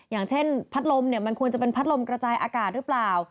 อย่างเช่นพัดลมเนี่ยมันควรจะเป็นพัดลมกระจายอากาศหรือเปล่า